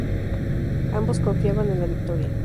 Ambos confiaban en la victoria.